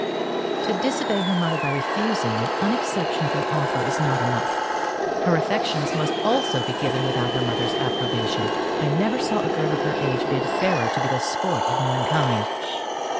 To disobey her mother by refusing an unexceptionable offer is not enough; her affections must also be given without her mother's approbation. I never saw a girl of her age bid fairer to be the sport of mankind.